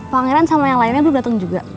pangeran sama yang lainnya belum datang juga